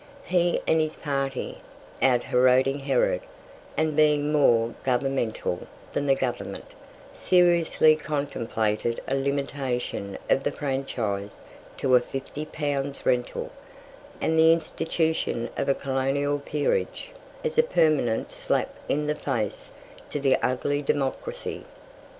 He and his party, out Heroding Herod, and being more governmental than the Government, seriously contemplated a limitation of the franchise to a 50 pounds rental, and the institution of a Colonial Peerage, as a permanent slap in the face to the ugly Democracy.